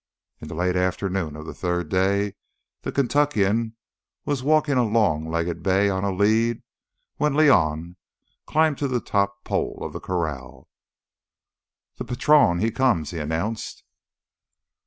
In the late afternoon of the third day the Kentuckian was walking a long legged bay on a lead when León climbed to the top pole of the corral. "The patrón comes," he announced.